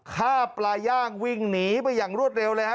ฆ่าปลาย่างวิ่งหนีไปอย่างรวดเร็วเลยฮะ